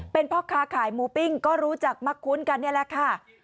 เป็นพ่อค้าขายหมูปิ้งก็รู้จักมักคุ้นกันนี่แหละค่ะ